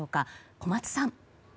小松さん。